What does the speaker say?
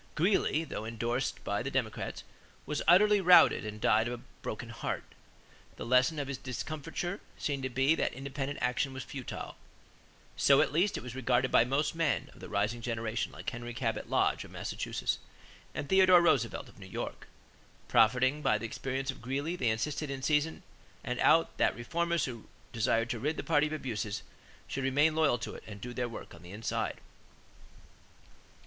Greeley, though indorsed by the Democrats, was utterly routed and died of a broken heart. The lesson of his discomfiture seemed to be that independent action was futile. So, at least, it was regarded by most men of the rising generation like Henry Cabot Lodge, of Massachusetts, and Theodore Roosevelt, of New York. Profiting by the experience of Greeley they insisted in season and out that reformers who desired to rid the party of abuses should remain loyal to it and do their work "on the inside."